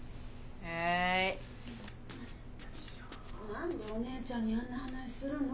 何でお姉ちゃんにあんな話するの？